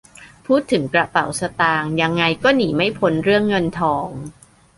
พูดถึงกระเป๋าสตางค์ยังไงก็หนีไม่พ้นเรื่องเงินทอง